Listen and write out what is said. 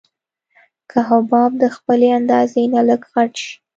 که حباب د خپلې اندازې نه لږ غټ شي.